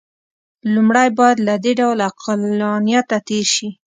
لومړی باید له دې ډول عقلانیته تېر شي.